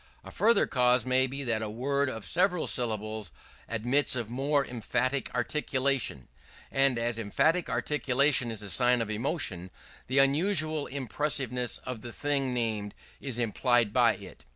A further cause may be that a word of several syllables admits of more emphatic articulation; and as emphatic articulation is a sign of emotion, the unusual impressiveness of the thing named is implied by it.